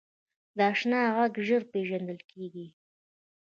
د اشنا غږ ژر پیژندل کېږي